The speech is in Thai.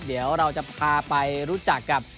เดี๋ยวเราจะพาไปรู้จักกับ